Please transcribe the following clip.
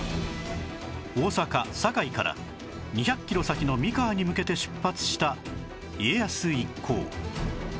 大坂堺から２００キロ先の三河に向けて出発した家康一行